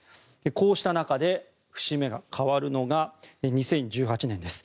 こうした中、節目が変わるのが２０１８年です。